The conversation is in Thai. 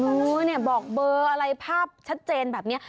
เออเนี่ยบอกเบอร์อะไรภาพชัดเจนแบบนี้